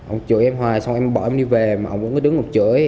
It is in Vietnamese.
ông chửi em hoài xong em bỏ em đi về mà ông vẫn cứ đứng mà chửi